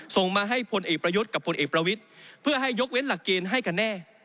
ส่งมาให้พลเอกประยุทธ์กับพลเอกประวิทย์เพื่อให้ยกเว้นหลักเกณฑ์ให้กันแน่